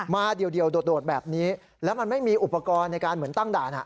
มาเดี๋ยวโดดแบบนี้แล้วไม่มีอุปกรณ์ที่ตั้งด่าน